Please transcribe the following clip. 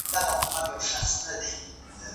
زه به سبا د يادښتونه يادونه وکړم!